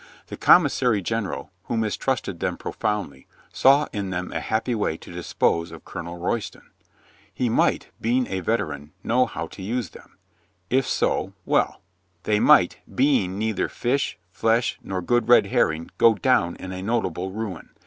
The commissary general, who mistrusted them profoundly, saw in them a happy way to dispose of Colonel Royston. He might, being a veteran, know how to use them. If so, well. They might, being neither fish, flesh nor good red herring, go down in a notable ruin.